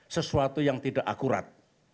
sesuatu yang tidak akurat